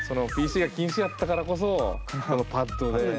ＰＣが禁止やったからこそパッドで。